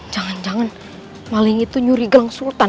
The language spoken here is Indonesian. jangan jangan maling itu nyuri gang sultan